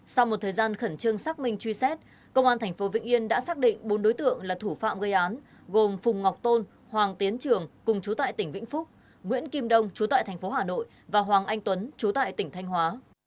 sau một thời gian khẩn trương xác minh truy xét công an tp vĩnh yên đã xác định bốn đối tượng là thủ phạm gây án gồm phùng ngọc tôn hoàng tiến trường cùng chú tại tỉnh vĩnh phúc nguyễn kim đông chú tại thành phố hà nội và hoàng anh tuấn chú tại tỉnh thanh hóa